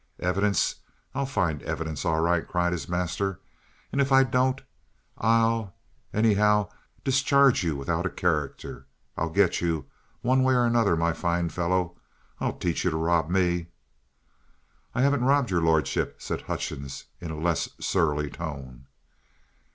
"Evidence? I'll find evidence all right!" cried his master. "And if I don't, I'll, anyhow, discharge you without a character. I'll get you one way or another, my fine fellow! I'll teach you to rob me!" "I haven't robbed your lordship," said Hutchings in a less surly tone.